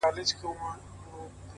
راسه چي زړه مي په لاسو کي درکړم،